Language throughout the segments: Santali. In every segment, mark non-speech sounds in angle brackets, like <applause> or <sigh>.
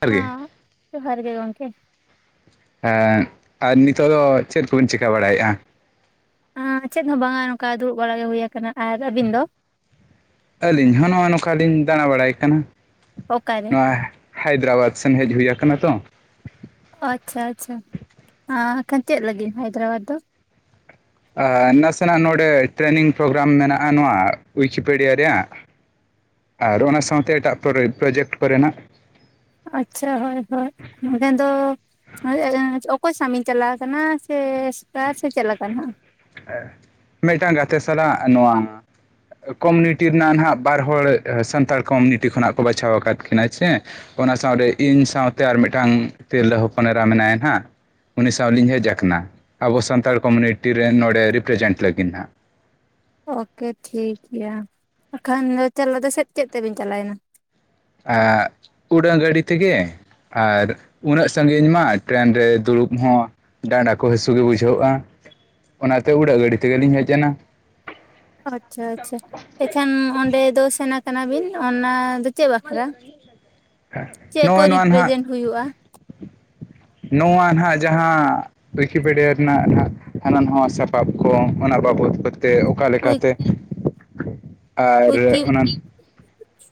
ᱡᱚᱦᱟᱨ ᱜᱮ ᱦᱚᱸ ᱡᱚᱦᱟᱨ ᱜᱮ ᱜᱚᱢᱠᱮ ᱮᱸ ᱟᱨ ᱱᱤᱛᱚᱜ ᱫᱚ ᱪᱮᱫ ᱠᱚᱵᱤᱱ ᱪᱤᱠᱟᱹ ᱵᱟᱲᱟᱭᱮᱫᱼᱟ ᱟᱸ ᱪᱮᱫ ᱦᱚᱸ ᱵᱟᱝᱟ ᱱᱚᱝᱠᱟ ᱫᱩᱲᱩᱵ ᱵᱟᱲᱟ ᱜᱮ ᱦᱩᱭᱩ ᱟᱠᱟᱱᱟ ᱟᱨ ᱟᱹᱵᱤᱱ ᱫᱚ ᱟᱹᱞᱤᱧ ᱦᱚᱸ ᱱᱚᱜᱼᱚᱭ ᱱᱚᱝᱠᱟ ᱞᱤᱧ ᱫᱟᱬᱟ ᱵᱟᱲᱟᱭ ᱠᱟᱱᱟ ᱚᱠᱟᱨᱮ <unintelligible> ᱱᱚᱣᱟ ᱦᱟᱭᱫᱨᱟᱵᱟᱫᱽ ᱥᱮᱱ ᱦᱮᱡ ᱦᱩᱭ ᱟᱠᱟᱱᱟ ᱛᱚ ᱚ ᱟᱪᱪᱷᱟ ᱟᱪᱪᱷᱟᱠᱷ ᱟᱸ ᱠᱷᱟᱱ ᱪᱮᱫ ᱞᱟᱹᱜᱤᱫ ᱦᱟᱭᱫᱨᱟᱵᱟᱫᱽ ᱫᱚ ᱟ ᱱᱟᱥᱮᱱᱟᱜ ᱱᱚᱰᱮ ᱴᱨᱮᱱᱤᱝ ᱯᱨᱳᱜᱨᱟᱢ ᱢᱮᱱᱟᱜᱼᱟ ᱱᱚᱣᱟ ᱩᱭᱠᱤᱯᱮᱰᱤᱭᱟ ᱨᱮᱭᱟᱜ ᱟᱨ ᱚᱱᱟ ᱥᱟᱶᱛᱮ ᱮᱴᱟᱜ ᱯᱚᱨᱮ ᱯᱨᱚᱡᱮᱠᱴ ᱠᱚᱨᱮᱱᱟᱜ ᱟᱪᱪᱷᱟ ᱦᱳᱭ ᱦᱳᱭ ᱱᱚᱸᱰᱮ ᱫᱚ ᱦᱳᱭ <unintelligible> ᱚᱠᱚᱭ ᱥᱟᱣᱢᱤᱧ ᱪᱟᱞᱟᱣ ᱠᱟᱱᱟ ᱥᱮ ᱥᱟᱨ ᱥᱮ ᱪᱮᱫ ᱞᱮᱠᱟᱱ ᱢᱤᱫᱴᱟᱝ ᱜᱟᱛᱮ ᱥᱟᱞᱟᱜ ᱱᱚᱣᱟ ᱠᱚᱢᱩᱱᱤᱴᱤ ᱨᱮᱱᱟᱜ ᱱᱦᱟᱸᱜ ᱵᱟᱨ ᱦᱚᱲ ᱥᱟᱱᱛᱟᱲ ᱠᱚᱢᱩᱱᱤᱴᱤ ᱠᱷᱚᱱᱟᱜ ᱠᱚ ᱵᱟᱪᱷᱟᱣ ᱟᱠᱟᱫ ᱠᱤᱱᱟ ᱥᱮ ᱚᱱᱟ ᱥᱟᱶᱨᱮ ᱤᱧ ᱥᱟᱶᱛᱮ ᱟᱨ ᱢᱤᱫᱴᱟᱝ ᱛᱤᱨᱞᱟᱹ ᱦᱚᱯᱚᱱ ᱮᱨᱟ ᱢᱮᱱᱟᱭᱟ ᱦᱟᱸᱜ ᱩᱱᱤ ᱥᱟᱶᱞᱤᱧ ᱦᱮᱡ ᱟᱠᱟᱱᱟ ᱟᱵᱚ ᱥᱟᱱᱛᱟᱲ ᱠᱚᱢᱩᱱᱤᱴᱤ ᱨᱮᱱ ᱱᱚᱰᱮ ᱨᱤᱯᱨᱮᱡᱮᱱᱴ ᱞᱟᱹᱜᱤᱫ ᱦᱟᱸᱜ ᱳᱠᱮ ᱴᱷᱤᱠᱜᱮᱭᱟ ᱮᱟᱠᱷᱟᱱ ᱫᱚ <unintelligible> ᱪᱮᱫ ᱛᱮᱵᱤᱱ ᱪᱟᱞᱟᱣᱮᱱᱟ ᱟᱜ ᱩᱰᱟᱹᱱ ᱜᱟᱹᱲᱰᱤ ᱛᱮᱜᱮ ᱟᱨ ᱩᱱᱟᱹᱜ ᱥᱟᱺᱜᱤᱧ ᱢᱟ ᱴᱨᱮᱱ ᱨᱮ ᱫᱩᱲᱩᱵ ᱦᱚᱸ ᱰᱟᱸᱰᱟ ᱠᱚ ᱦᱟᱹᱥᱩ ᱜᱮ ᱵᱩᱡᱷᱟᱣᱹᱜᱼᱟ ᱚᱱᱟᱛᱮ ᱩᱰᱟᱹᱜ ᱜᱟᱹᱰᱤ ᱛᱮᱜᱮᱞᱤᱧ ᱦᱮᱡ ᱮᱱᱟ ᱟᱪᱷᱟᱼᱟᱪᱷᱟ ᱮᱱᱠᱷᱮᱱ ᱚᱸᱰᱮ ᱫᱚ ᱥᱮᱱ ᱟᱠᱟᱱᱟ ᱵᱤᱱ ᱚᱱᱟ <unintelligible> ᱪᱮᱜ ᱵᱟᱠᱷᱨᱟ ᱪᱮᱜ ᱠᱚ ᱱᱚᱜᱼᱚᱭ ᱱᱚᱣᱟ ᱨᱤᱯᱨᱮᱡᱮᱱᱴ ᱱᱟᱦᱟᱜ ᱦᱩᱭᱩᱜᱼᱟ ᱱᱚᱣᱟ ᱱᱟᱦᱟᱜ ᱡᱟᱦᱟᱸ ᱩᱭᱠᱤᱯᱮᱰᱤᱭᱟ ᱨᱮᱱᱟᱜ ᱦᱟᱱᱟ ᱱᱟᱣᱟ ᱥᱟᱯᱟᱵ ᱠᱚ ᱚᱱᱟ ᱵᱟᱵᱚᱫ ᱠᱚᱛᱮ ᱚᱠᱟ ᱞᱮᱠᱟᱛᱮ ᱟᱨ ᱩᱭᱠᱤ ᱚᱱᱟ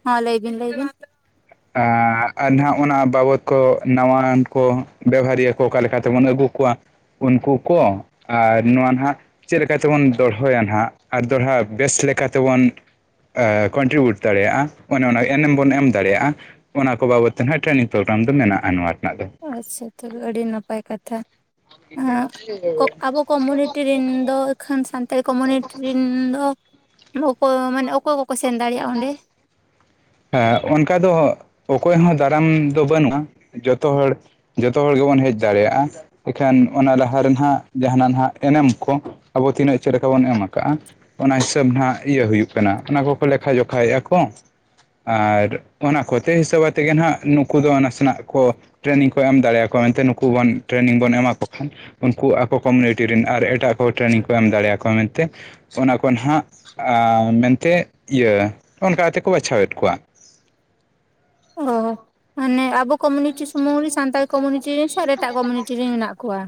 ᱦᱚᱸ ᱞᱟᱹᱭ ᱵᱤᱱ ᱞᱟᱹᱭ ᱵᱤᱱ ᱟᱻ ᱟᱨ ᱱᱟᱦᱟᱜ ᱚᱱᱟ ᱵᱟᱵᱚᱫ ᱠᱚ ᱱᱟᱣᱟᱱ ᱠᱚ ᱵᱮᱵᱦᱷᱟᱨᱤᱭᱟᱹ ᱠᱚ ᱚᱠᱟ ᱞᱮᱠᱟ ᱛᱮᱵᱚᱱ ᱟᱹᱜᱩ ᱠᱚᱣᱟ ᱩᱱᱠᱩ ᱠᱚ ᱟᱨ ᱱᱚᱣᱟ ᱱᱟᱦᱟᱜ ᱪᱮᱫ ᱞᱮᱠᱟ ᱛᱮᱵᱚᱱ ᱫᱚᱦᱚᱭᱟ ᱱᱟᱦᱜ ᱟᱨ ᱫᱚᱦᱲᱟ ᱵᱮᱥ ᱞᱮᱠᱟ ᱛᱮᱵᱚᱱ ᱟᱻ ᱠᱚᱱᱴᱨᱤᱵᱤᱭᱩᱴ ᱫᱟᱲᱮᱭᱟᱜᱼᱟ ᱚᱱᱮ ᱚᱱᱟ ᱮᱱᱮᱢ ᱵᱚᱱ ᱮᱢ ᱫᱟᱲᱮᱭᱟᱜᱼᱟ ᱚᱱᱟ ᱠᱚ ᱵᱟᱵᱚᱫ ᱛᱮ ᱱᱟᱸᱦᱟᱜ ᱴᱨᱮᱱᱤᱝ ᱯᱨᱳᱜᱨᱟᱢ ᱫᱚ ᱢᱮᱱᱟᱜᱼᱟ ᱱᱚᱣᱟ ᱨᱮᱱᱟᱜ ᱫᱚ ᱟᱪᱪᱷᱟ ᱛᱚᱵᱮ ᱟᱹᱰᱤ ᱱᱟᱯᱟᱭ ᱠᱟᱛᱷᱟ ᱟᱸᱜ ᱠᱚ ᱟᱵᱚ ᱠᱚ ᱢᱚᱱᱤᱴᱤᱨᱤᱱ ᱫᱚ ᱠᱷᱟᱱ ᱥᱟᱱᱛᱟᱲᱤ ᱠᱚ ᱢᱤᱱᱤᱴᱤᱨᱤᱱ ᱫᱚ ᱚᱠᱚᱭ ᱢᱟᱱᱮ ᱚᱠᱚᱭ ᱠᱚᱠᱚ ᱥᱮᱱ ᱫᱟᱲᱮᱭᱟᱜᱼᱟ ᱚᱸᱰᱮ ᱦᱟᱸ ᱚᱱᱠᱟ ᱫᱚ ᱚᱠᱚᱭ ᱦᱚᱸ ᱫᱟᱨᱟᱢ ᱫᱚ ᱵᱟᱹᱱᱩᱜᱼᱟ ᱡᱚᱛᱚ ᱦᱚᱲ ᱡᱚᱛᱚ ᱦᱚᱲ ᱜᱮᱵᱚᱱ ᱦᱮᱡ ᱫᱟᱲᱮᱭᱟᱜᱼᱟ ᱮᱱᱠᱷᱮᱱ ᱚᱱᱟ ᱞᱟᱦᱟ ᱨᱮ ᱱᱟᱦᱟᱜ ᱡᱟᱦᱟᱱᱟ ᱱᱟᱦᱟᱜ ᱮᱱᱮᱢ ᱠᱚ ᱟᱵᱚ ᱛᱤᱱᱟᱹᱜ ᱪᱮᱫ ᱞᱮᱠᱟ ᱵᱚᱱ ᱮᱢᱟᱠᱟᱜ-ᱟ ᱚᱱᱟ ᱦᱤᱥᱟᱹᱵ ᱱᱟᱦᱟᱜ ᱤᱭᱟᱹ ᱦᱩᱭᱩᱜ ᱠᱟᱱᱟ ᱚᱱᱟ ᱠᱚᱠᱚ ᱞᱮᱠᱷᱟ ᱡᱚᱠᱷᱟᱭᱮᱟ ᱠᱚ ᱟᱨ ᱚᱱᱟ ᱠᱚᱛᱮ ᱦᱤᱥᱟᱹᱵ ᱟᱛᱮ ᱜᱮ ᱱᱟᱦᱟᱜ ᱱᱩᱠᱩ ᱫᱚ ᱱᱟᱥᱮᱱᱟᱜ ᱠᱚ ᱴᱨᱮᱱᱤᱝ ᱠᱚ ᱮᱢ ᱫᱟᱲᱮᱭᱟ ᱠᱚᱭᱟ ᱢᱮᱱᱛᱮ ᱱᱩᱠᱩ ᱵᱚᱱ ᱴᱨᱮᱱᱤᱝ ᱵᱚᱱ ᱮᱢᱟᱠᱚ ᱠᱷᱟᱱ ᱩᱱᱠᱩ ᱟᱠᱚ ᱠᱚᱢᱩᱱᱤᱴᱤ ᱨᱮᱱ ᱟᱨ ᱮᱴᱟᱜ ᱠᱚ ᱴᱨᱮᱱᱤᱝ ᱠᱚ ᱮᱢ ᱫᱟᱲᱮᱭᱟᱠ ᱢᱮᱱᱛᱮ ᱚᱱᱟ ᱠᱚ ᱱᱟᱦᱟᱸᱜ ᱟᱸ ᱢᱮᱱᱛᱮ ᱤᱭᱟᱹ ᱚᱱᱠᱟ ᱟᱛᱮ ᱠᱚ ᱵᱟᱪᱷᱟᱣᱮᱫ ᱠᱚᱣᱟ ᱚᱦᱚ ᱢᱟᱱᱮ ᱟᱵᱚ ᱠᱚᱢᱤᱱᱤᱴᱤ ᱥᱩᱢᱩᱝ ᱨᱮ ᱥᱟᱱᱛᱟᱲ ᱠᱚᱢᱳᱱᱤᱴᱤ ᱨᱮᱱ ᱥᱮ ᱮᱴᱟᱜ ᱠᱚᱢᱚᱱᱤᱴᱤ ᱨᱮᱱ ᱢᱮᱱᱟᱜ ᱠᱚᱣᱟ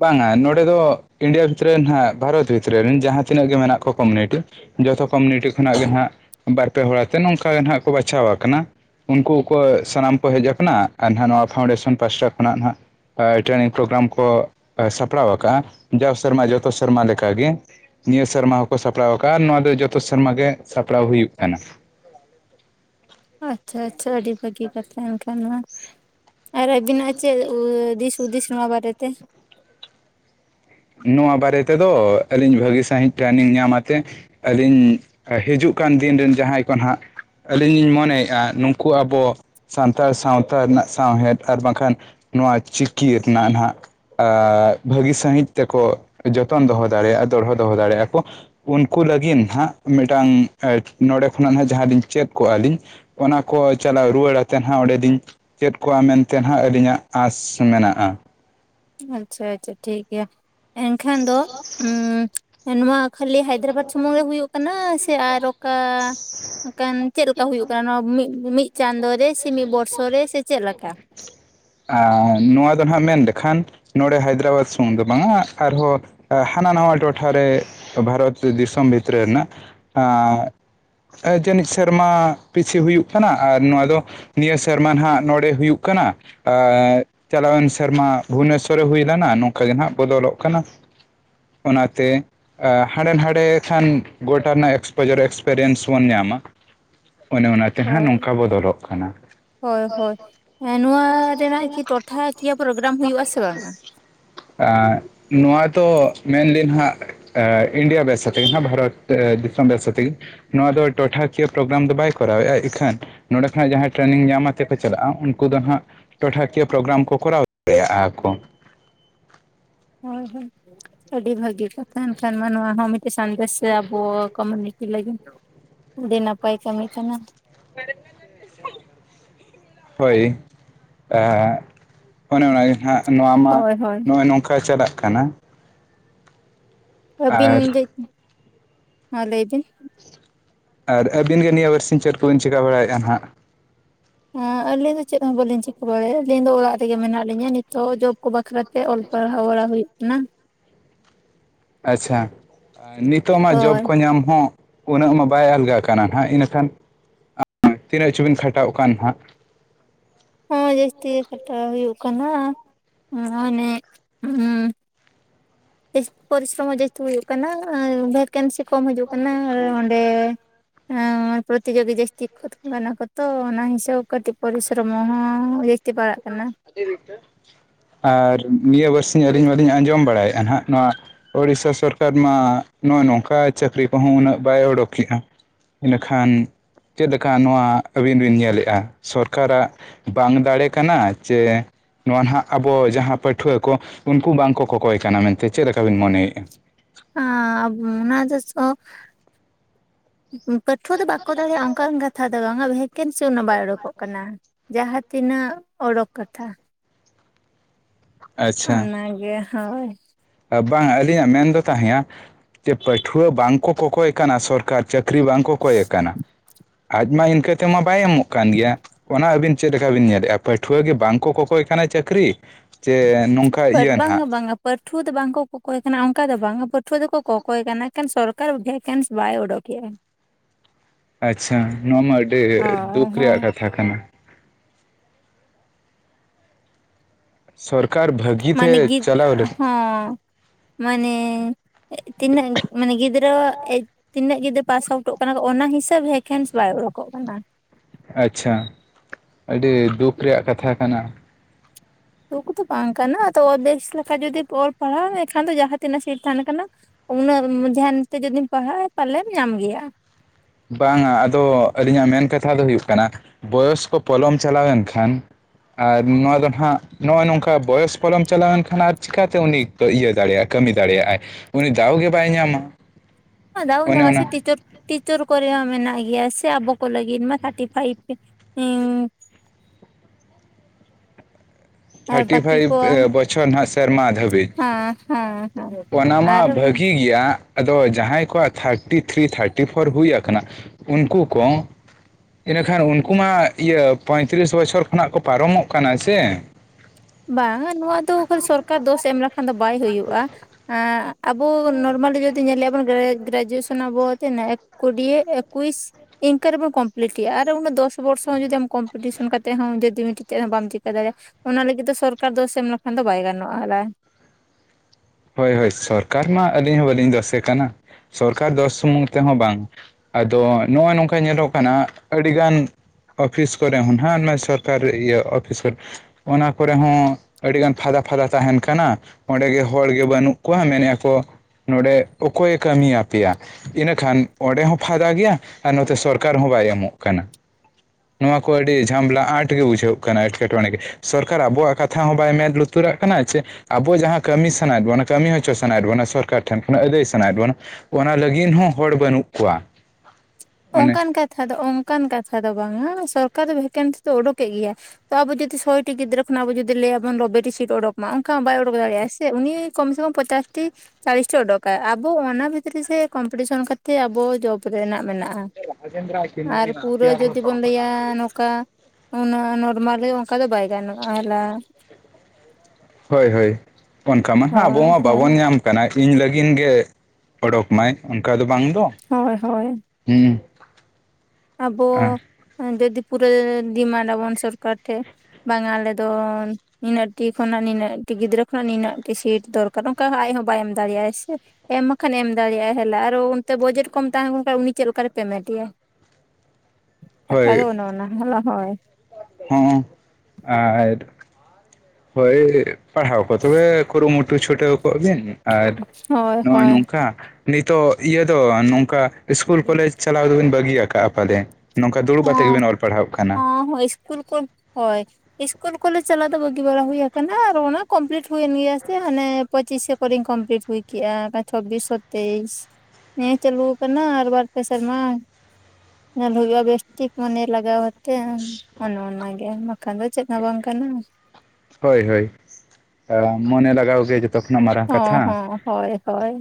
ᱵᱟᱝᱟ ᱱᱚᱰᱮ ᱫᱚ ᱤᱱᱰᱤᱭᱟ ᱵᱷᱤᱛᱨᱤ ᱨᱮ ᱦᱟᱜ ᱵᱷᱟᱨᱚᱛ ᱵᱷᱤᱛᱨᱤ ᱨᱮᱱ ᱡᱟᱦᱟᱸ ᱛᱤᱱᱟᱹᱜ ᱜᱮ ᱢᱮᱱᱟᱜ ᱠᱚ ᱠᱚᱢᱤᱱᱤᱴᱤ ᱡᱚᱛᱚ ᱠᱚᱢᱱᱤᱴᱤ ᱠᱷᱚᱱᱟᱜ ᱜᱮ ᱦᱟᱸᱜ ᱵᱟᱨᱯᱮ ᱦᱚᱲᱟᱛᱮ ᱱᱚᱝᱠᱟ ᱜᱮ ᱱᱟᱦᱜ ᱠᱚ ᱵᱟᱪᱷᱟᱣ ᱣᱟᱠᱟᱱᱟ ᱩᱱᱠᱩ ᱠᱚ ᱥᱟᱱᱟᱢ ᱠᱚ ᱦᱮᱡ ᱟᱠᱟᱱᱟ ᱟᱨ ᱱᱟᱦᱟᱜ ᱱᱚᱣᱟ ᱯᱷᱟᱣᱩᱱᱰᱮᱥᱚᱱ ᱯᱟᱥᱴᱟ ᱠᱷᱚᱱᱟᱜ ᱱᱟᱦᱜ ᱴᱨᱮᱱᱤᱝ ᱯᱨᱳᱜᱨᱟᱢ ᱠᱚ ᱥᱟᱯᱲᱟᱣ ᱟᱠᱟᱜᱼᱟ ᱡᱟᱣ ᱥᱮᱨᱢᱟ ᱡᱚᱛᱚ ᱥᱮᱨᱢᱟ ᱞᱮᱠᱟᱜᱮ ᱱᱤᱭᱟᱹ ᱥᱮᱨᱢᱟ ᱦᱚᱸᱠᱚ ᱥᱟᱯᱲᱟᱣ ᱟᱠᱟᱜ-ᱟ ᱟᱨ ᱱᱚᱣᱟ ᱫᱚ ᱡᱚᱛᱚ ᱥᱮᱨᱢᱟ ᱜᱮ ᱥᱟᱯᱲᱟᱣ ᱦᱩᱭᱩᱜ ᱠᱟᱱᱟ ᱟᱪᱪᱷᱟ ᱟᱪᱪᱷᱟ ᱟᱹᱰᱤ ᱵᱷᱟᱹᱜᱤ ᱠᱟᱛᱷᱟ ᱮᱱᱠᱷᱟᱱ ᱢᱟ ᱾ ᱟᱨ ᱟᱹᱵᱤᱱᱟᱜ ᱪᱮᱫ ᱫᱤᱥ ᱦᱩᱫᱤᱥ ᱱᱚᱣᱟ ᱵᱟᱨᱮ ᱛᱮ ᱱᱚᱣᱟ ᱵᱟᱨᱮ ᱛᱮᱫᱚ ᱟᱹᱞᱤᱧ ᱵᱷᱟᱹᱜᱤ ᱥᱟᱹᱦᱤᱡ ᱴᱨᱮᱱᱤᱝ ᱧᱟᱢ ᱟᱛᱮ ᱟᱹᱞᱤᱧ ᱦᱤᱡᱩᱜ ᱠᱟᱱ ᱫᱤᱱ ᱨᱮᱱ ᱡᱟᱦᱟᱸᱭ ᱠᱚ ᱱᱟᱦᱟᱜ ᱟᱹᱞᱤᱧ ᱞᱤᱧ ᱢᱚᱱᱮᱭᱮᱜᱼᱟ ᱱᱩᱠᱩ ᱟᱵᱚ ᱥᱟᱱᱛᱟᱲ ᱥᱟᱶᱛᱟ ᱨᱮᱱᱟᱜ ᱥᱟᱶᱦᱮᱫ ᱟᱨ ᱵᱟᱝᱠᱷᱟᱱ ᱱᱚᱣᱟ ᱪᱤᱠᱤ ᱨᱮᱱᱟᱜ ᱱᱟᱦᱟᱜ ᱟᱨ ᱵᱷᱟᱹᱜᱤ ᱥᱟᱹᱦᱤᱡ ᱛᱮᱠᱚ ᱡᱚᱛᱚᱱ ᱫᱚᱦᱚ ᱫᱟᱲᱮᱭᱟᱜᱼᱟ ᱫᱚᱲᱦᱚ ᱫᱟᱦᱚ ᱫᱟᱲᱮᱟᱜ ᱟᱠᱚ ᱩᱱᱠᱩ ᱞᱟᱹᱜᱤᱫ ᱦᱟᱸᱜ ᱢᱤᱫᱴᱟᱝ ᱱᱚᱰᱮ ᱠᱷᱚᱱᱟᱜ ᱱᱟᱦᱟᱜ ᱡᱟᱦᱟᱸ ᱞᱤᱧ ᱪᱮᱫ ᱠᱚᱣᱟ ᱞᱤᱧ ᱚᱱᱟ ᱠᱚ ᱪᱟᱞᱟᱣ ᱨᱩᱣᱟᱹᱲ ᱟᱛᱮᱫ ᱦᱟᱜ ᱚᱸᱰᱮᱞᱤᱧ ᱪᱮᱫ ᱠᱚᱣᱟ ᱢᱮᱱᱛᱮ ᱱᱟᱦᱟᱜ ᱟᱹᱞᱤᱧᱟᱜ ᱟᱸᱥ ᱢᱮᱱᱟᱜᱼᱟ ᱟᱪᱪᱷᱟ ᱟᱪᱪᱷᱟ ᱴᱷᱤᱠ ᱜᱮᱭᱟ ᱮᱱᱠᱷᱟᱱ ᱫᱚ ᱩᱸᱻ ᱱᱚᱣᱟ ᱠᱷᱟᱹᱞᱤ ᱦᱟᱭᱫᱨᱟᱵᱟᱫ ᱥᱩᱢᱩᱝ ᱜᱮ ᱦᱩᱭᱩᱜ ᱠᱟᱱᱟ ᱥᱮ ᱟᱨ ᱚᱠᱟ ᱠᱟᱱ ᱪᱮᱫ ᱞᱮᱠᱟ ᱦᱩᱭᱩᱜ ᱠᱟᱱᱟ ᱱᱚᱣᱟ ᱢᱤᱫ ᱢᱤᱫ ᱪᱟᱸᱫᱳ ᱨᱮ ᱥᱮ ᱢᱤᱫ ᱵᱚᱨᱥᱚ ᱨᱮ ᱥᱮ ᱪᱮᱫ ᱞᱮᱠᱟ ᱟᱨ ᱱᱚᱣᱟ ᱫᱚ ᱱᱟᱦᱟᱜ ᱢᱮᱱ ᱞᱮᱠᱷᱟᱱ ᱱᱚᱰᱮ ᱦᱟᱭᱫᱨᱟᱵᱟᱫ ᱥᱩᱢᱩᱝ ᱫᱚ ᱵᱟᱝᱼᱟ ᱟᱨᱦᱚᱸ ᱦᱟᱱᱟ ᱱᱟᱣᱟ ᱴᱚᱴᱷᱟᱨᱮ ᱵᱷᱟᱨᱚᱛ ᱫᱤᱥᱚᱢ ᱵᱷᱤᱛᱨᱤ ᱨᱮᱱᱟᱜ ᱟᱸᱻ ᱟ ᱡᱟᱹᱱᱤᱡ ᱥᱮᱨᱢᱟ ᱯᱤᱪᱷᱤ ᱦᱩᱭᱩᱜ ᱠᱟᱱᱟ ᱟᱨ ᱱᱚᱣᱟ ᱫᱚ ᱱᱤᱭᱟᱹ ᱥᱮᱨᱢᱟ ᱱᱟᱦᱟᱜ ᱱᱚᱰᱮ ᱦᱩᱭᱩᱜ ᱠᱟᱱᱟ ᱪᱟᱞᱟᱣᱮᱱ ᱥᱮᱨᱢᱟ ᱵᱷᱩᱵᱚᱱᱮᱥᱥᱚᱨ ᱨᱮ ᱦᱩᱭ ᱞᱮᱱᱟ ᱱᱚᱝᱠᱟ ᱜᱮ ᱱᱟᱦᱟᱜ ᱵᱚᱫᱚᱞᱚᱜ ᱠᱟᱱᱟ ᱚᱱᱟᱛᱮ ᱦᱟᱸᱰᱮ ᱱᱟᱰᱮ ᱠᱷᱟᱱ ᱜᱚᱴᱟ ᱨᱮᱱᱟᱜ ᱮᱠᱥᱯᱚᱡᱟᱨ ᱮᱠᱥᱯᱨᱤᱭᱮᱱᱥ ᱵᱚᱱ ᱧᱟᱢᱟ ᱚᱱᱮ ᱚᱱᱟᱛᱮ ᱦᱟᱸᱜ ᱦᱳᱭ ᱱᱚᱝᱠᱟ ᱵᱚᱫᱚᱞᱚᱜ ᱠᱟᱱᱟ ᱦᱳᱭ ᱦᱳᱭ ᱱᱚᱣᱟ ᱨᱮᱱᱟᱜ ᱠᱤ ᱴᱚᱴᱷᱟ ᱠᱤᱭᱟᱹ ᱯᱨᱳᱜᱨᱟᱢ ᱦᱩᱭᱩᱜ ᱟᱥᱮ ᱵᱟᱝᱼᱟ ᱟᱜ ᱱᱚᱣᱟ ᱛᱚ ᱢᱮᱱ ᱞᱮᱜ ᱤᱧ ᱦᱟᱜ᱾ ᱮᱜ ᱤᱱᱰᱤᱭᱟ ᱵᱮᱥ ᱟᱛᱮᱜ ᱜᱮ ᱦᱟᱜ ᱵᱷᱟᱨᱚᱛ ᱛᱮ ᱫᱤᱥᱚᱢ ᱵᱮᱥ ᱟᱛᱮ ᱜᱮ ᱱᱚᱣᱟ ᱫᱚ ᱴᱚᱴᱷᱟ ᱠᱤᱭᱟᱹ ᱯᱨᱳᱜᱨᱟᱢ ᱫᱚ ᱵᱟᱭ ᱠᱚᱨᱟᱣ ᱮᱜ-ᱟ ᱮᱠᱷᱟᱱ ᱱᱚᱸᱰᱮ ᱠᱷᱚᱱᱟᱜ ᱡᱟᱦᱟᱸᱭ ᱴᱨᱮᱱᱤᱝ ᱧᱟᱢ ᱟᱛᱮᱫ ᱠᱚ ᱪᱟᱞᱟᱜ-ᱟ ᱩᱱᱠᱩ ᱫᱚ ᱱᱟᱦᱟᱜ ᱴᱚᱴᱷᱟᱠᱤᱭᱟᱹ ᱯᱨᱳᱜᱨᱟᱢ ᱠᱚ ᱠᱚᱨᱟᱣ ᱫᱟᱲᱮᱭᱟᱜ-ᱟ ᱠᱚ᱾ ᱦᱳᱭ ᱦᱳᱭ ᱟᱹᱰᱤ ᱵᱷᱟᱹᱜᱤ ᱠᱟᱛᱷᱟ ᱮᱱᱠᱷᱟᱱ ᱢᱟ ᱱᱚᱣᱟ ᱦᱚᱸ‌ ᱢᱤᱫ ᱥᱟᱸᱫᱮᱥ ᱥᱮ ᱟᱵᱚ ᱠᱚᱢᱤᱩᱱᱤᱴᱤ ᱞᱟᱹᱜᱤᱫ ᱟᱹᱰᱤ ᱱᱟᱯᱟᱭ ᱠᱟᱹᱢᱤ ᱠᱟᱱᱟ <inaudible> ᱦᱳᱭ ᱟᱜᱻ ᱚᱱᱮ ᱚᱱᱟᱜᱮ ᱱᱟᱦᱟᱜ ᱱᱚᱣᱟ ᱢᱟ ᱦᱳᱭ ᱦᱳᱭ ᱱᱚᱜᱼᱚᱭ ᱱᱚᱝᱠᱟ ᱪᱟᱞᱟᱜ ᱠᱟᱱᱟ ᱟᱹᱵᱤᱱ ᱟᱨ <unintelligible> ᱢᱟ ᱞᱟᱹᱭ ᱵᱤᱱ ᱟᱨ ᱟᱹᱵᱤᱱ ᱜᱮ ᱱᱤᱭᱟᱹ ᱵᱟᱨᱥᱤᱧ ᱪᱮᱫ ᱠᱚᱵᱤᱱ ᱪᱤᱠᱟᱹ ᱵᱟᱲᱟᱭᱮᱫᱼᱟ ᱱᱟᱦᱟᱸᱜ ᱮᱸᱻ ᱟᱹᱞᱤᱧ ᱫᱚ ᱪᱮᱫ ᱦᱚᱸ ᱵᱟᱹᱞᱤᱧ ᱪᱤᱠᱟᱹ ᱵᱟᱲᱟᱭᱟ ᱟᱹᱞᱤᱧ ᱫᱚ ᱚᱲᱟᱜ ᱨᱮᱜᱮ ᱢᱮᱱᱟᱜ ᱞᱤᱧᱟᱹ ᱱᱤᱛᱚᱜ <unintelligible> ᱠᱚ ᱵᱟᱠᱷᱨᱟ ᱛᱮ ᱚᱞ ᱯᱟᱲᱦᱟᱣ ᱵᱟᱲᱟ ᱦᱩᱭᱩᱜ ᱠᱟᱱᱟ ᱟᱪᱪᱷᱟ ᱱᱤᱛᱚᱜ ᱢᱟ ᱡᱚᱵ ᱦᱳᱭ ᱠᱚ ᱧᱟᱢ ᱦᱚᱸ ᱩᱱᱟᱹᱜ ᱢᱟ ᱵᱟᱭ ᱟᱞᱜᱟ ᱟᱠᱟᱱᱟ ᱦᱟᱸᱜ ᱤᱱᱟᱹᱠᱷᱟᱱ <unintelligible> ᱛᱤᱱᱟᱹᱜ ᱪᱚᱵᱤᱱ ᱠᱷᱟᱴᱟᱣ ᱠᱟᱱ ᱦᱟᱜ᱾ ᱦᱚᱸ ᱡᱟᱹᱥᱛᱤ ᱜᱮ ᱠᱷᱟᱴᱟᱣ ᱦᱩᱭᱩᱜ ᱠᱟᱱᱟ ᱦᱚᱜ-ᱚᱭ ᱱᱮ ᱦᱩᱸ᱾ ᱯᱚᱨᱤᱥᱨᱚᱢ ᱦᱚᱸ ᱡᱟᱹᱥᱛᱤ ᱦᱩᱭᱩᱜ ᱠᱟᱱᱟ᱾ ᱟᱨ ᱵᱷᱮᱠᱮᱱᱥᱤ ᱠᱚᱢ ᱦᱤᱡᱩᱜ ᱠᱟᱱᱟ ᱚᱸᱰᱮ, ᱮᱸ ᱯᱨᱚᱛᱤᱡᱳᱜᱤ ᱡᱟᱹᱥᱛᱤ ᱠᱷᱩᱛ ᱠᱟᱱᱟ ᱠᱚ ᱛᱚ ᱚᱱᱟ ᱦᱤᱥᱟᱹᱵ ᱠᱟᱹᱴᱤᱡ ᱯᱚᱨᱤᱥᱨᱚᱢᱚ ᱦᱚᱸ ᱡᱟᱹᱥᱛᱤ ᱯᱟᱲᱟᱜ ᱠᱟᱱᱟ᱾ <unintelligible> ᱟᱨ ᱱᱤᱭᱟᱹ ᱵᱟᱨᱥᱤᱧ ᱟᱹᱞᱤᱧ ᱢᱟᱞᱤᱧ ᱟᱸᱡᱚᱢ ᱵᱟᱲᱟᱭᱮᱜ-ᱟ ᱦᱟᱜ ᱱᱚᱣᱟ ᱳᱲᱤᱥᱥᱟ ᱥᱚᱨᱠᱟᱨ ᱢᱟ ᱱᱚᱜ-ᱚᱭ ᱱᱚᱝᱠᱟ ᱪᱟᱹᱠᱨᱤ ᱠᱚᱦᱚᱸ ᱩᱱᱟᱹᱜ ᱵᱟᱭ ᱚᱰᱳᱠᱮᱜ-ᱟ᱾ ᱤᱱᱟᱹᱠᱷᱟᱱ ᱪᱮᱫ ᱞᱮᱠᱟ ᱱᱚᱣᱟ ᱟᱹᱵᱤᱱ ᱵᱤᱱ ᱧᱮᱞ ᱮᱜ-ᱟ? ᱥᱚᱨᱠᱟᱨᱟᱜ ᱵᱟᱝ ᱫᱟᱲᱮ ᱠᱟᱱᱟ ᱪᱮ ᱱᱚᱣᱟ ᱱᱟᱦᱟᱜ ᱟᱵᱚ ᱡᱟᱦᱟᱸ ᱯᱟᱹᱴᱷᱩᱣᱟᱹ ᱠᱚ, ᱩᱱᱠᱩ ᱵᱟᱝᱠᱚ ᱠᱚᱠᱚᱭ ᱠᱟᱱᱟ ᱢᱮᱱᱛᱮ ᱪᱮᱫ ᱞᱮᱠᱟ ᱵᱤᱱ ᱢᱚᱱᱮᱭᱮᱜ-ᱟ? ᱟᱵ ᱚᱱᱟ ᱡᱟᱥ ᱟᱣ, ᱯᱟᱹᱴᱷᱩᱣᱟᱹ ᱫᱚ ᱵᱟᱠᱚ ᱫᱟᱲᱮᱭᱟᱜ-ᱟ ᱚᱱᱠᱟᱱ ᱠᱟᱛᱷᱟ ᱫᱚ ᱵᱟᱝ-ᱟ ᱵᱷᱮᱠᱮᱱᱥᱤ ᱩᱱᱟ. ᱜ ᱵᱟᱭ ᱩᱲᱳᱠᱚᱜ ᱠᱟᱱᱟ᱾ ᱡᱟᱦᱟᱸ ᱛᱤᱱᱟᱹᱜ ᱚᱰᱚᱜ ᱠᱟᱛᱷᱟ᱾ ᱚᱱᱟᱜᱮ ᱦᱳᱭ᱾ ᱟ ᱵᱟᱝᱟ ᱟᱹᱞᱤᱧᱟᱜ ᱢᱮᱱᱫᱚ ᱛᱟᱦᱮᱸᱼᱟ᱾ ᱡᱮ ᱯᱟᱹᱴᱷᱩᱣᱟᱹ ᱵᱟᱝ ᱠᱚ ᱠᱚᱠᱚᱭ ᱠᱟᱱᱟ ᱥᱚᱨᱠᱟᱨ ᱪᱟᱹᱠᱨᱤ ᱵᱟᱝ ᱠᱚ ᱠᱚᱭᱮ ᱠᱟᱱᱟ, ᱟᱡ ᱢᱟ ᱤᱱᱠᱟᱹ ᱛᱮᱢᱟ ᱵᱟᱭ ᱮᱢᱚᱜ ᱠᱟᱱ ᱜᱮᱭᱟ᱾ ᱚᱱᱟ ᱟᱹᱵᱤᱱ ᱪᱮᱫ ᱞᱮᱠᱟ ᱵᱤᱱ ᱧᱮᱞᱮᱫ-ᱟ ᱯᱟᱹᱴᱷᱩᱣᱟᱹ ᱜᱮ ᱵᱟᱝᱠᱚ ᱠᱚᱠᱚᱭ ᱠᱟᱱᱟ ᱪᱟᱹᱠᱨᱤ ᱥᱮ ᱱᱚᱝᱠᱟ? ᱯᱟ. ᱴ ᱤᱭᱟᱹ ᱱᱟᱦᱟᱜ ᱵᱟᱝᱟ ᱵᱟᱝᱟ ᱯᱟᱹᱴᱷᱩᱣᱟᱹ ᱫᱚ ᱵᱟᱝᱠᱚ ᱠᱚᱠᱚᱭ ᱠᱟᱱᱟ ᱚᱱᱠᱟ ᱫᱚ ᱵᱟᱝᱟ ᱯᱟᱹᱴᱷᱩᱣᱟᱹ ᱫᱚᱠᱚ ᱠᱚᱠᱚᱭ ᱠᱟᱱᱟ᱾ ᱠᱮᱱ ᱥᱚᱨᱠᱟᱨ ᱵᱷᱮᱠᱮᱱᱥ ᱵᱟᱭ ᱚᱰᱳᱜ ᱠᱮᱜ-ᱟ᱾ ᱟᱪᱪᱷᱟ, ᱱᱚᱣᱟ ᱢᱟ ᱟᱹᱰᱤ ᱚ ᱫᱩᱠ ᱦᱚᱸ ᱨᱮᱭᱟᱜ ᱠᱟᱛᱷᱟ ᱠᱟᱱᱟ᱾ ᱥᱚᱨᱠᱟᱨ ᱵᱷᱟᱹᱜᱤ ᱢᱟᱱᱮ ᱜᱤᱫ ᱟ ᱦᱚᱸ, ᱢᱟᱱᱮ ᱛᱤᱱᱟᱹᱜ ᱢᱟᱱᱮ ᱜᱤᱫᱽᱨ ᱛᱟ. ᱣ ᱮᱭ, ᱛᱤᱱᱟᱹᱜ ᱜᱤᱫᱽᱨᱟᱹ ᱯᱟᱥ ᱟᱣᱴᱚᱜ ᱠᱟᱱᱟ ᱠᱚ ᱚᱱᱟ ᱦᱤᱥᱟᱹᱵ ᱵᱷᱮᱠᱮᱱᱥ ᱵᱟᱭ ᱩᱲᱳᱠᱚᱜ ᱠᱟᱱᱟ᱾ ᱟᱪᱪᱷᱟ, ᱟᱹᱰᱤ ᱫᱩᱠ ᱨᱮᱭᱟᱜ ᱠᱟᱛᱷᱟ ᱠᱟᱱᱟ᱾ ᱛᱚ, ᱩᱱᱠᱩᱛᱚ ᱵᱟᱝ ᱠᱟᱱᱟ ᱟᱫᱚ ᱵᱮᱥ ᱞᱮᱠᱟ ᱡᱩᱫᱤ ᱚᱞ ᱯᱟᱲᱦᱟᱣ ᱮᱱᱠᱷᱟᱱ ᱫᱚ ᱡᱟᱦᱟᱸ ᱛᱤᱱᱟᱹᱜ ᱥᱤᱴ ᱛᱟᱦᱮᱱ ᱠᱟᱱᱟᱼᱼ ᱩᱱᱟᱹᱜ ᱫᱷᱮᱭᱟᱱ ᱛᱮ ᱡᱩᱫᱤᱢ ᱯᱟᱲᱦᱟᱜ-ᱟ ᱯᱟᱞᱮᱢ ᱧᱟᱢ ᱜᱮᱭᱟ᱾ ᱵᱟᱝᱟ ᱟᱫᱚ ᱟᱹᱞᱤᱧᱟᱜ ᱢᱮᱱ ᱠᱟᱛᱷᱟ ᱫᱚ ᱦᱩᱭᱩᱜ ᱠᱟᱱᱟ ᱵᱚᱭᱚᱥ ᱠᱚ ᱯᱚᱞᱚᱢ ᱪᱟᱞᱟᱣ ᱮᱱ ᱠᱷᱟᱱ ᱟᱨ ᱱᱚᱣᱟ ᱫᱚ ᱱᱟᱦᱟᱜ ᱱᱚᱜ-ᱚᱭ ᱱᱚᱝᱠᱟ ᱵᱚᱭᱚᱥ ᱯᱚᱞᱚᱢ ᱪᱟᱞᱟᱣᱮᱱ ᱠᱷᱟᱱ ᱟᱨ ᱪᱤᱠᱟᱛᱮ ᱩᱱᱤ ᱛᱚ ᱤᱭᱟᱹ ᱫᱟᱲᱮᱭᱟᱜ-ᱟ, ᱠᱟᱹᱢᱤ ᱫᱟᱲᱮᱭᱟᱜ ᱟᱭ ᱩᱱᱤ ᱫᱟᱣ ᱜᱮ ᱵᱟᱭ ᱧᱟᱢᱟ᱾ ᱟᱞᱟᱣ ᱚᱱᱮ ᱧᱟᱢᱟᱥᱮ ᱚᱱᱟ ᱴᱤᱪᱟᱨ ᱴᱤᱪ, ᱪᱟ. ᱨ ᱠᱚᱨᱮᱭᱟᱜ ᱢᱮᱱᱟᱜ ᱜᱮᱭᱟ ᱥᱮ ᱟᱵᱚ ᱠᱚ ᱞᱟᱹᱜᱤᱫ ᱢᱟ ᱛᱷᱟᱴᱤ ᱯᱷᱟᱭᱤᱵ ᱤᱝ ᱟᱨ ᱛᱷᱟᱨᱴᱤ ᱵᱟᱹᱠᱤ ᱯᱷᱟᱭᱤᱵᱷ ᱵᱚᱪᱷᱚᱨ ᱱᱟᱦᱟᱜ ᱥᱮᱨᱢᱟ ᱫᱷᱟᱹᱵᱤᱡ <unintelligible> ᱟᱨᱦᱚᱸ ᱤᱭᱟᱹ ᱦᱟᱸᱜ ᱟᱫᱚ ᱡᱟᱦᱟᱸᱭ ᱠᱚᱣᱟᱜ ᱛᱷᱟᱨᱴᱤ ᱛᱷᱨᱤ ᱛᱷᱟᱨᱴᱤ ᱯᱷᱳᱨ ᱦᱩᱭ ᱟᱠᱟᱱᱟ ᱩᱱᱠᱩ ᱠᱚ ᱤᱱᱟᱹᱠᱷᱟᱱ ᱩᱱᱠᱩ ᱢᱟ ᱤᱭᱟᱹ ᱯᱚᱶᱛᱤᱨᱤᱥ ᱵᱚᱪᱷᱚᱨ ᱠᱷᱚᱱᱟᱜ ᱠᱚ ᱯᱟᱨᱚᱢᱚᱜ ᱠᱟᱱᱟ ᱥᱮ ᱵᱟᱝᱼᱟ ᱱᱚᱣᱟ ᱫᱚ ᱠᱷᱟᱹᱞᱤ ᱥᱚᱨᱠᱟᱨ ᱫᱚᱥ ᱮᱢ ᱞᱮᱠᱷᱟᱱ ᱫᱚ ᱵᱟᱭ ᱦᱩᱭᱩᱜᱼᱟ ᱟᱸᱜᱻ ᱟᱵᱚ ᱱᱚᱨᱢᱟᱞᱤ ᱡᱩᱫᱤ ᱧᱮᱞᱮᱜᱼᱟ ᱵᱚᱱ ᱜᱨᱮᱼ ᱜᱨᱮᱡᱩᱭᱮᱥᱚᱱ ᱟᱵᱚ ᱛᱤᱱᱟᱹᱜ ᱠᱩᱰᱤᱭᱟᱹ ᱮᱠᱠᱩᱤᱥ ᱤᱱᱠᱟᱹ ᱨᱮᱵᱚᱱ ᱠᱚᱢᱯᱞᱤᱴ ᱮᱜᱼᱟ ᱟᱨᱮ ᱩᱱᱟᱹᱜ ᱫᱚᱥ ᱟᱵᱚ ᱦᱚᱲᱥᱟᱶ ᱡᱩᱫᱤ ᱟᱢ ᱠᱚᱢᱯᱤᱴᱤᱥᱮᱱ ᱠᱟᱛᱮᱜ ᱦᱚᱸ ᱡᱩᱫᱤ ᱢᱤᱫᱴᱟᱝ ᱪᱮᱫ ᱦᱚᱸ ᱵᱟᱢ ᱪᱤᱠᱟᱹ ᱫᱟᱲᱮᱭᱟᱜᱼᱟ ᱚᱱᱟ ᱞᱟᱹᱜᱤᱫ ᱛᱮ ᱫᱚ ᱥᱚᱨᱠᱟᱨ ᱫᱚᱥ ᱮᱢ ᱞᱮᱠᱷᱟᱱ ᱫᱚ ᱵᱟᱭ ᱜᱟᱱᱚᱜᱼᱟ ᱦᱳᱭ ᱦᱳᱭ ᱥᱚᱨᱠᱟᱨ ᱢᱟ ᱟᱹᱞᱤᱧ ᱦᱚᱸ ᱵᱟᱹᱞᱤᱧ ᱫᱚᱥᱮ ᱠᱟᱱᱟ ᱥᱚᱨᱠᱟᱨ ᱫᱚᱥ ᱥᱩᱢᱩᱝ ᱛᱮᱦᱚᱸ ᱵᱟᱝ ᱟᱫᱚ ᱱᱚᱜᱼᱚᱭ ᱱᱚᱝᱠᱟ ᱧᱮᱞᱚᱜ ᱠᱟᱱᱟ ᱟᱹᱰᱤᱜᱟᱱ ᱚᱯᱷᱤᱥ ᱠᱚᱨᱮ ᱱᱟᱦᱟᱜᱸ ᱱᱩᱭ ᱥᱚᱨᱠᱟᱨ ᱥᱚᱨᱠᱟᱨᱤ ᱚᱯᱷᱤᱥ ᱠᱚᱨᱮ ᱦᱚᱸ ᱚᱱᱟ ᱠᱚᱨᱮ ᱦᱚᱸ ᱟᱹᱰᱤ ᱜᱟᱱ ᱯᱷᱟᱫᱟ ᱯᱷᱟᱫᱟ ᱛᱟᱦᱮᱱ ᱠᱟᱱᱟ ᱚᱸᱰᱮ ᱜᱮ ᱦᱚᱲ ᱜᱮ ᱵᱟᱹᱱᱩᱜ ᱠᱚᱣᱟ ᱢᱮᱱᱮᱼᱟᱠᱚ ᱱᱚᱰᱮ ᱚᱠᱚᱭᱮ ᱠᱟᱹᱢᱤᱭᱤ ᱭᱟᱯᱮᱭᱟ ᱤᱱᱟᱹᱠᱷᱟᱱ ᱚᱸᱰᱮ ᱦᱚᱸ ᱯᱷᱟᱭᱫᱟ ᱜᱮᱭᱟ ᱟᱨ ᱱᱚᱛᱮ ᱥᱚᱨᱠᱟᱨ ᱦᱚᱸ ᱵᱟᱭ ᱮᱢᱚᱜ ᱠᱟᱱᱟ ᱱᱚᱣᱟ ᱠᱚ ᱟᱹᱰᱤ ᱡᱷᱟᱢᱞᱟ ᱟᱸᱴ ᱜᱮ ᱵᱩᱡᱷᱟᱹᱜᱽ ᱠᱟᱱᱟ ᱮᱴᱠᱮᱴᱚᱬᱮ ᱜᱮ ᱥᱚᱨᱠᱟᱨ ᱟᱵᱚᱣᱟᱜ ᱠᱟᱛᱷᱟ ᱦᱚᱸ ᱵᱟᱭ ᱢᱮᱫ ᱞᱩᱛᱩᱨ ᱩᱛᱟᱹᱨᱟᱜ ᱠᱟᱱᱟ ᱡᱮ ᱟᱵᱚ ᱡᱟᱦᱟᱸ ᱠᱟᱹᱢᱤ ᱥᱟᱱᱟᱭᱮᱫ ᱵᱚᱱᱟ ᱠᱟᱹᱢᱤ ᱦᱚᱪᱚ ᱥᱟᱱᱟᱭᱮᱫ ᱵᱚᱱᱟ ᱥᱚᱨᱠᱟᱨ ᱴᱷᱮᱱ ᱠᱷᱚᱱ ᱟᱹᱫᱟᱹᱭ ᱥᱟᱱᱟᱭᱮᱫ ᱵᱚᱱᱟ ᱚᱱᱟ ᱞᱟᱹᱜᱤᱫ ᱦᱚᱸ ᱦᱚᱲ ᱵᱟᱹᱱᱩᱜ ᱠᱚᱣᱟ ᱚᱱᱮ ᱚᱝᱠᱟᱱ ᱠᱟᱛᱷᱟ ᱫᱚ ᱚᱝᱠᱟᱱ ᱠᱟᱛᱷᱟ ᱫᱚ ᱵᱟᱝᱟ ᱥᱚᱨᱠᱟᱨ ᱫᱚ ᱵᱷᱮᱠᱮᱱᱥᱤ ᱫᱚ ᱳᱰᱳᱠᱮᱫ ᱜᱮᱭᱟ ᱛᱚ ᱟᱵᱚ ᱡᱩᱫᱤ ᱥᱚᱭ ᱴᱤ ᱜᱤᱫᱽᱨᱟᱹ ᱠᱷᱚᱱ ᱟᱵᱚ ᱡᱩᱫᱤ ᱞᱟᱭᱟᱵᱚᱱ ᱱᱚᱵᱮ ᱴᱤ ᱥᱤᱴ ᱚᱰᱳᱠᱢᱟ ᱚᱱᱠᱟ ᱢᱟ ᱵᱟᱭ ᱳᱰᱳᱠ ᱫᱟᱲᱮᱭᱟᱭ ᱥᱮ ᱩᱱᱤ ᱠᱚᱢ ᱥᱮ ᱠᱚᱢ ᱯᱟᱪᱟᱥ ᱴᱤ ᱪᱟᱲᱤᱥ ᱴᱤ ᱚᱰᱳᱠ ᱟᱭ ᱟᱵᱚ ᱚᱱᱟ ᱵᱷᱤᱛᱨᱤ ᱨᱮ ᱠᱚᱢᱯᱤᱴᱤᱥᱚᱱ ᱠᱟᱛᱮᱫ ᱟᱵᱚ ᱡᱚᱵ ᱨᱮᱱᱟᱜ ᱢᱮᱱᱟᱜᱼᱟ᱾ ᱟᱨ ᱯᱩᱨᱟᱹ ᱡᱩᱫᱤ ᱵᱚᱱ ᱞᱟᱹᱭᱟ ᱱᱚᱝᱠᱟ ᱩᱱᱟᱹᱜ ᱱᱚᱨᱢᱟᱞᱤ ᱚᱱᱠᱟ ᱫᱚ ᱵᱟᱭ ᱜᱟᱱᱚᱜᱼᱟ ᱮᱞᱟ ᱦᱳᱭ ᱦᱳᱭ ᱚᱱᱠᱟ ᱢᱟ ᱟᱵᱚ ᱦᱳᱭ ᱢᱟ ᱦᱳᱭ ᱵᱟᱵᱚᱱ ᱧᱟᱢ ᱠᱟᱱᱟ ᱤᱧ ᱞᱟᱹᱜᱤᱱ ᱜᱮ ᱚᱰᱳᱠ ᱢᱟᱭ ᱚᱱᱠᱟ ᱫᱚ ᱵᱟᱝ ᱫᱚ ᱦᱳᱭ ᱦᱳᱭ ᱦᱩᱸ ᱟᱵᱚ ᱡᱚᱫᱤ ᱯᱩᱨᱟᱹ ᱰᱤᱢᱟᱱᱰ ᱟᱵᱚᱱ ᱥᱚᱨᱠᱟᱨ ᱴᱷᱮᱱ ᱵᱟᱝᱼᱟ ᱟᱞᱮ ᱫᱚ ᱱᱤᱱᱟᱹᱜ ᱴᱤ ᱠᱷᱚᱱᱟᱜ ᱱᱤᱱᱟᱹᱜ ᱴᱤ ᱜᱤᱫᱽᱨᱟᱹ ᱠᱷᱚᱱᱟᱜ ᱱᱤᱱᱟᱹᱜ ᱴᱤ ᱥᱤᱴ ᱫᱚᱨᱠᱟᱨ ᱚᱱᱠᱟ ᱟᱡᱽ ᱦᱚᱸ ᱵᱟᱭ ᱮᱢ ᱫᱟᱲᱮᱭᱟᱭ ᱥᱮ ᱮᱢ ᱢᱮᱠᱷᱟᱱ ᱮᱢ ᱫᱟᱲᱮᱭᱟᱜ-ᱟᱭ ᱦᱮᱞᱟ ᱟᱨᱦᱚᱸ ᱚᱱᱛᱮ ᱵᱟᱡᱮᱴ ᱠᱚᱢ ᱛᱟᱦᱮᱸ ᱠᱷᱟᱱ ᱩᱱᱤ ᱪᱮᱫ ᱞᱮᱠᱟᱨᱮᱭ ᱯᱮᱢᱮᱱᱴ ᱮᱭᱟᱭ ᱦᱳᱭ ᱠᱟᱛᱷᱟ ᱫᱚ ᱚᱱᱟ ᱚᱱᱟ ᱦᱚᱞᱚ ᱦᱳᱭ ᱦᱚᱸ ᱟᱨ ᱦᱳᱭ ᱯᱟᱲᱦᱟᱣ ᱠᱚ ᱛᱚᱵᱮ ᱠᱩᱨᱩᱢᱩᱴᱩ ᱪᱷᱩᱴᱟᱹᱣ ᱠᱚᱜ ᱵᱤᱱ ᱟᱨ ᱦᱳᱭ ᱱᱚᱜᱼᱚᱭ ᱦᱳᱭ ᱱᱚᱝᱠᱟ ᱱᱤᱛᱚᱜ ᱤᱭᱟᱹ ᱫᱚ ᱱᱚᱝᱠᱟ ᱤᱥᱠᱩᱞ ᱠᱚᱞᱮᱡᱽ ᱪᱟᱞᱟᱣ ᱫᱚ ᱵᱤᱱ ᱵᱟᱹᱜᱤᱭᱟ ᱟᱠᱟᱼᱟ ᱯᱟᱞᱮ ᱱᱚᱝᱠᱟ ᱫᱩᱲᱩᱵᱽ ᱟᱛᱮ ᱦᱚᱸ ᱜᱮᱵᱮᱱ ᱚᱞ ᱯᱟᱲᱦᱟᱣᱚᱜ ᱠᱟᱱᱟ ᱦᱚᱸ ᱦᱚᱭ ᱤᱥᱠᱩᱞ ᱠᱚ ᱦᱚᱭ ᱤᱥᱠᱩᱞ ᱠᱚᱞᱮᱡᱽ ᱪᱟᱞᱟᱣ ᱫᱚ ᱵᱟᱹᱜᱤ ᱵᱟᱲᱟ ᱦᱩᱭ ᱟᱠᱟᱱᱟ ᱟᱨ ᱚᱱᱟ ᱠᱚᱢᱯᱤᱞᱴ ᱦᱩᱭᱮᱱ ᱜᱮᱭᱟ ᱥᱮ ᱦᱟᱸᱱᱮ ᱯᱚᱸᱪᱤᱥᱮ ᱠᱚᱨᱤᱧ ᱠᱚᱢᱯᱤᱞᱴ ᱦᱩᱭ ᱠᱮᱫᱼᱟ ᱪᱷᱟᱵᱤᱥᱥᱚ ᱛᱮᱭᱤᱥ ᱱᱮᱭ ᱪᱟᱹᱞᱩ ᱠᱟᱱᱟ ᱟᱨ ᱵᱟᱨ ᱯᱮ ᱥᱮᱨᱢᱟ ᱧᱮᱞ ᱦᱩᱭᱩᱜᱼᱟ ᱵᱮᱥ ᱴᱷᱤᱠ ᱢᱚᱱᱮ ᱞᱟᱜᱟᱣ ᱠᱟᱛᱮᱫ ᱚᱱᱟ ᱚᱱᱟᱜᱮ ᱵᱟᱠᱷᱟᱱ ᱫᱚ ᱪᱮᱫ ᱦᱚᱸ ᱵᱟᱝ ᱠᱟᱱᱟ ᱦᱳᱭ ᱦᱳᱭ ᱮ ᱢᱚᱱᱮ ᱞᱟᱜᱟᱣ ᱜᱮ ᱡᱚᱛᱚ ᱠᱷᱚᱱᱟᱜ ᱢᱟᱨᱟᱝ ᱠᱟᱛᱷᱟ ᱦᱚᱸ ᱦᱳᱭ ᱦᱳᱭ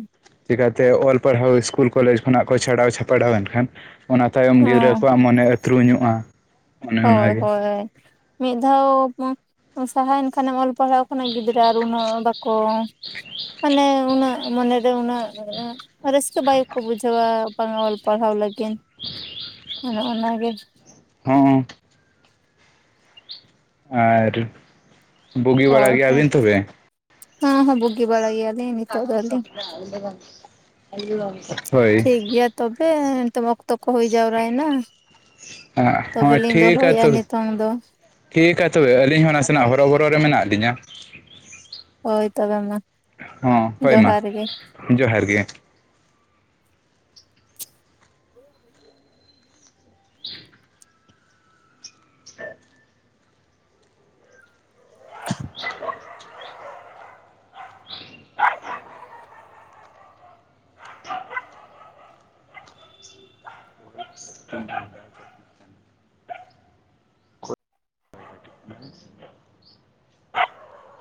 ᱪᱤᱠᱟᱛᱮ ᱚᱞ ᱯᱟᱲᱦᱟᱣ ᱤᱥᱠᱩᱞ ᱠᱚᱞᱮᱡᱽ ᱠᱷᱚᱱᱟᱜ ᱠᱚ ᱪᱷᱟᱰᱟᱣ ᱪᱷᱟᱯᱲᱟᱣ ᱮᱱᱠᱷᱟᱱ ᱚᱱᱟ ᱛᱟᱭᱚᱢ ᱜᱤᱫᱽᱨᱟᱹ ᱦᱚᱸ ᱠᱚᱣᱟᱜ ᱢᱚᱱᱮ ᱩᱛᱨᱩᱧᱚᱜᱼᱟ ᱦᱳᱭ ᱦᱳᱭ ᱢᱤᱫ ᱫᱷᱟᱣ ᱥᱟᱦᱟᱭᱮᱱ ᱠᱷᱟᱱᱮᱢ ᱚᱞ ᱯᱟᱲᱦᱟᱣ ᱠᱷᱚᱱᱟᱜ ᱜᱤᱫᱽᱨᱟᱹ ᱟᱨ ᱩᱱᱟᱹᱜ ᱵᱟᱠᱚ ᱢᱟᱱᱮ ᱩᱱᱟᱹᱜ ᱢᱚᱱᱮᱨᱮ ᱩᱱᱟᱹᱜ ᱨᱟᱹᱥᱠᱟᱹ ᱵᱟᱭᱠᱚ ᱵᱩᱡᱷᱟᱹᱣᱟ ᱵᱟᱝᱼᱟ ᱚᱞ ᱯᱟᱲᱦᱟᱣ ᱞᱟᱹᱜᱤᱱ᱾ ᱚᱱ ᱚᱱᱟ ᱜᱮ ᱾ ᱦᱚᱸ ᱚ ᱟᱨ ᱵᱩᱜᱤ ᱵᱟᱲᱟ ᱦᱳᱭ ᱦᱮᱸ ᱜᱮᱭᱟᱵᱤᱱ ᱛᱚᱵᱮ ᱦᱚᱸ ᱦᱚᱸ ᱵᱩᱜᱤ ᱵᱟᱲᱟ ᱜᱮᱭᱟ <unintelligible> ᱴᱷᱤᱠ ᱜᱮᱭᱟ ᱛᱚᱵᱮ ᱱᱤᱛᱳ ᱢᱟ ᱚᱠᱛᱚ ᱠᱚ ᱦᱩᱭ ᱡᱟᱣᱨᱟᱭᱮᱱᱟ ᱾ ᱦᱚᱸ ᱛᱚᱵᱮᱞᱤᱧ ᱴᱷᱤᱠᱟ ᱫᱚᱦᱚᱭᱮᱫᱼᱟ ᱛᱚᱵᱮ ᱱᱤᱛᱚᱝ ᱫᱚ ᱴᱷᱤᱠ-ᱟ ᱛᱚᱵᱮ ᱟᱹᱞᱤᱧ ᱦᱚᱸ ᱱᱟᱥᱮᱱᱟᱜ ᱦᱚᱨᱚ ᱵᱚᱨᱚ ᱨᱮ ᱢᱮᱱᱟᱜ ᱞᱤᱧᱟᱹ ᱦᱳᱭ ᱛᱚᱵᱮ ᱢᱟ ᱦᱚᱸ ᱦᱳᱭ ᱢᱟ ᱡᱚᱦᱟᱨ ᱜᱮ ᱡᱚᱦᱟᱨ ᱜᱮ ᱾ <inaudible> <unintelligible> <inaudible>